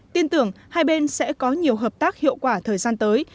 tin tưởng hai bên sẽ có nhiều hợp tác hiệu quả thời gian tới